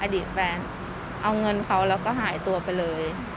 อดีตแฟนเอาเงินเขาแล้วก็หายตัวไปเลย